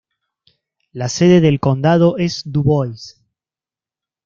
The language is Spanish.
La sede del condado es Dubois.